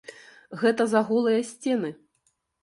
Гэта за голыя сцены.